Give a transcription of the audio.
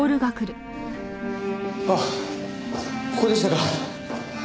あっここでしたか。